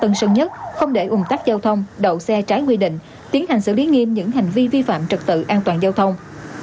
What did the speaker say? tân sơn nhất không để ủng tắc giao thông đậu xe trái quy định tiến hành xử lý nghiêm những hành vi vi phạm trật tự an toàn giao thông